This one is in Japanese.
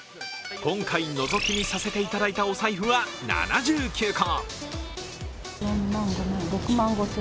今回のぞき見させていただいたお財布は７９個。